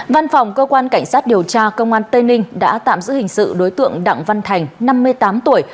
văn phòng cơ quan cảnh sát điều tra công an tây ninh đã tạm giữ hình sự đối tượng đặng văn thành năm mươi tám tuổi